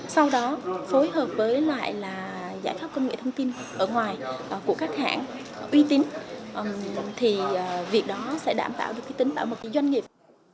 sau đó phối hợp với lại giải pháp công nghiệp thông tin ở ngoài của các hãng uy tín thì việc đó sẽ đảm bảo được tính bảo mật cho doanh nghiệp